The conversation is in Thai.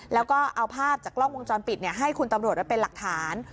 แล้วก็เอาภาพจากกล้องวงจรปิดให้คุณตำรวจไว้เป็นหลักฐาน